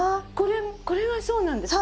これはそうなんですか？